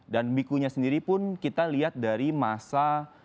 dan bikunya sendiri pun kita lihat dari masa